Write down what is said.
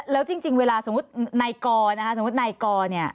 แล้วจริงเวลาสมมุตินายกรนะคะสมมุตินายกอเนี่ย